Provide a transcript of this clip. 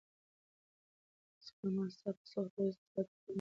سپما ستا په سختو ورځو کې ستا تر ټولو نږدې ملګرې ده.